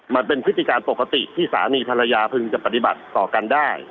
มันเป็นพฤติการปกติที่สามีภรรยาพึงจะปฏิบัติต่อกันได้